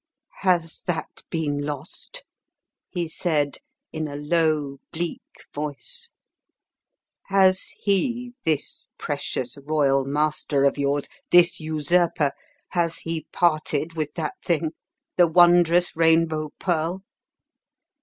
"Has that been lost?" he said in a low, bleak voice. "Has he, this precious royal master of yours, this usurper has he parted with that thing the wondrous Rainbow Pearl?"